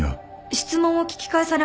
質問を聞き返されました。